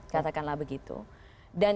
katakanlah begitu dan